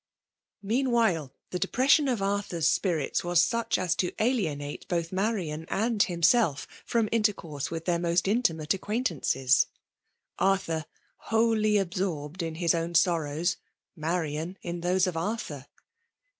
Meanwlule the depression of Arthur's spirits was such^ as to aliemte both Marian and him self from intercourse with their most intimate acquidntanoes ; Arthur^ wholly absorbed in his own sorrows — Marian, in those of Arthur.